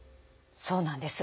そうなんです。